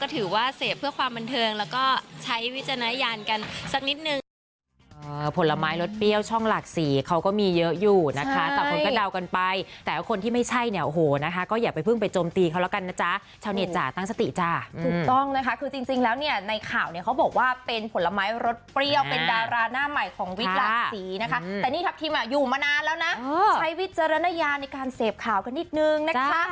ถือว่าเสพเพื่อความบันเทิงแล้วก็ใช้วิจารณญาณกันสักนิดนึง